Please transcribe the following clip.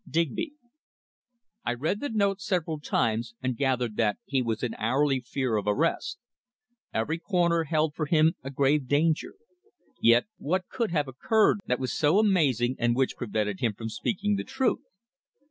"Digby." I read the note several times, and gathered that he was in hourly fear of arrest. Every corner held for him a grave danger. Yet what could have occurred that was so amazing and which prevented him speaking the truth.